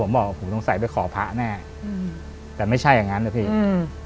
พ่อผมบอกหูต้องใส่ไปขอพระแน่อืมแต่ไม่ใช่อย่างนั้นเลยพี่อืม